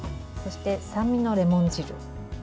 そして、酸味のレモン汁。